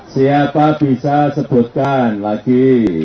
siapa bisa sebutkan lagi